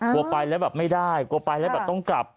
กลัวไปแล้วแบบไม่ได้กลัวไปแล้วแบบต้องกลับ